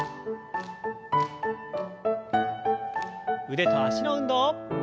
腕と脚の運動。